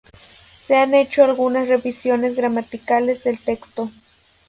Se han hecho algunas revisiones gramaticales del texto.